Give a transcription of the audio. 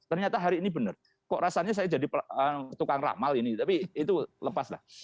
ternyata hari ini benar kok rasanya saya jadi tukang ramal ini tapi itu lepas lah